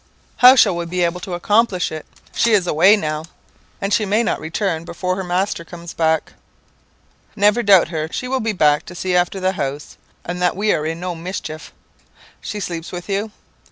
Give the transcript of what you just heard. "'How shall we be able to accomplish it? She is away now, and she may not return before her master comes back.' "'Never doubt her. She will be back to see after the house, and that we are in no mischief.' "'She sleeps with you?'